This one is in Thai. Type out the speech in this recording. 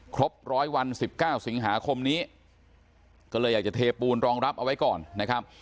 ครบร้อยวัน๑๙สิงหาคมนี้ก็เลยอยากจะเทปูนรองรับเอาไว้ก่อนนะครับ